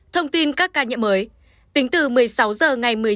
thông tin các ca nhiễm mới